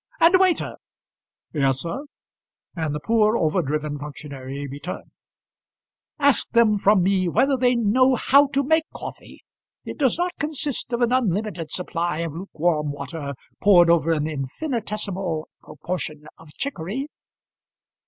"And waiter " "Yes, sir;" and the poor overdriven functionary returned. "Ask them from me whether they know how to make coffee. It does not consist of an unlimited supply of lukewarm water poured over an infinitesimal proportion of chicory.